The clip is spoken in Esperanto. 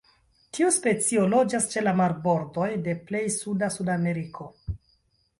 Tiu specio loĝas ĉe la marbordoj de plej suda Sudameriko.